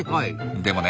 でもね